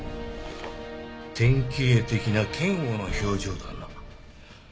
典型的な嫌悪の表情だな。